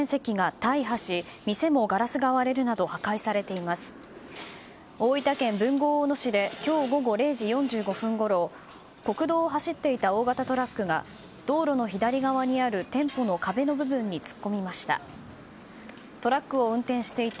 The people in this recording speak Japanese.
大分県豊後大野市で今日午後０時４５分ごろ国道を走っていた大型トラックが道路の左側にある店舗の壁の部分に突っ込みました。